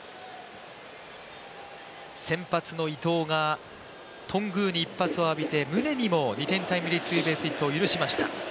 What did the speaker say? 先発の伊藤が頓宮に一発を浴びて、宗にも２点タイムリーツーベースヒットを許しました。